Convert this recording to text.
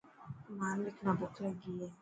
مانوڪ نا بک لڳي هي.